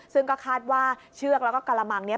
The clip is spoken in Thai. ซึ่งก็คาดว่าเชือกแล้วก็กระมังเนี่ย